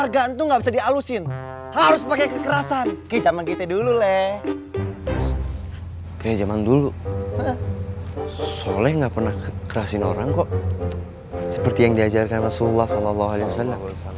bagaimana orang kok seperti yang diajarkan rasulullah saw